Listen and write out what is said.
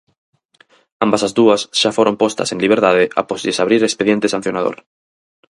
Ambas as dúas xa foron postas en liberdade após lles abrir expediente sancionador.